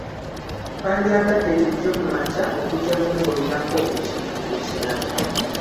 Twandyagadde tujje ku makya okuggyako ng'olinako ekintu ekirala.